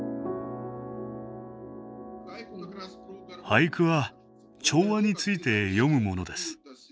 俳句は調和について詠むものです。